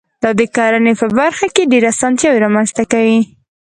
دا د کرنې په برخه کې ډېرې اسانتیاوي رامنځته کوي.